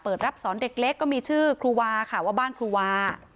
รับสอนเด็กเล็กก็มีชื่อครูวาค่ะว่าบ้านครูวา